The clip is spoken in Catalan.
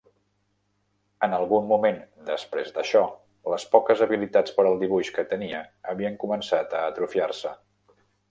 En algun moment després d'això, les poques habilitats per al dibuix que tenia havien començat a atrofiar-se.